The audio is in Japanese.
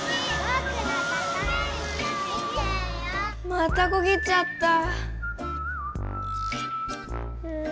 またこげちゃった。